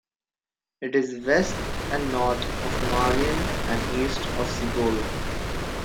It is west and north of Marion and east of Cibolo.